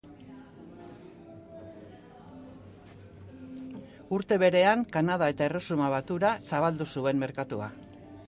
Urte berean Kanada eta Erresuma Batura zabaldu zuen merkatua.